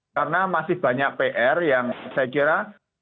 karena masih banyak pr yang saya kira